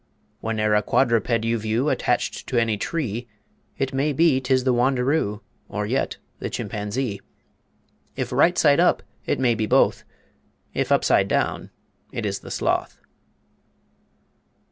Whene'er a quadruped you view Attached to any tree, It may be 'tis the Wanderoo, Or yet the Chimpanzee. If right side up it may be both, If upside down it is the Sloth.